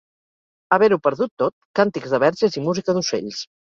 Haver-ho perdut tot, càntics de verges i música d'ocells.